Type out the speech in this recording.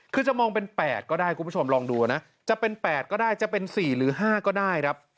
คือจะมองเป็น๘ก็ได้คุณผู้ชมลองดูนะจะเป็น๘ก็ได้จะเป็น๔หรือ๕ก็ได้ครับ